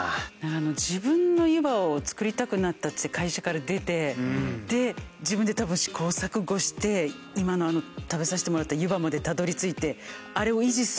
自分の湯葉を作りたくなったっつって会社から出てで自分で多分試行錯誤して今のあの食べさせてもらった湯葉までたどり着いてあれを維持する